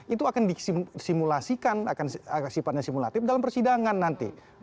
itu akan disimulasikan akan sifatnya simulatif dalam persidangan nanti